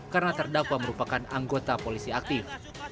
karena terdakwa merupakan anggota polisi aktif